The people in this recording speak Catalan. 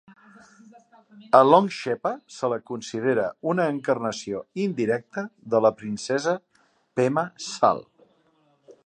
A Longchenpa se la considera una encarnació indirecta de la princesa Pema Sal.